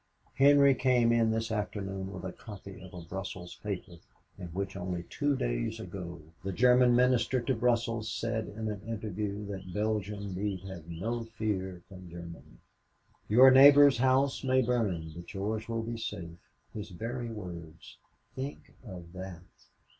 Henry came in this afternoon with a copy of a Brussels paper in which only two days ago the German Minister to Brussels said in an interview that Belgium need have no fear from Germany. "'Your neighbor's house may burn but yours will be safe' his very words. Think of that!